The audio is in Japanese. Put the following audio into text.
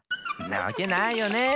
なわけないよね。